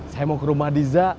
saya mau ke rumah diza